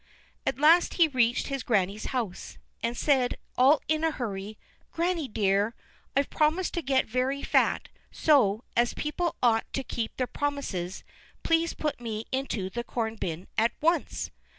At last he reached his granny's house, and said, all in a hurry: "Granny dear, I've promised to get very fat; so, as people ought to keep their promises, please put me into the corn bin at once."